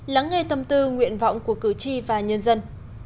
lắng nghe tâm tư nguyện vọng của cử tri và nhân dân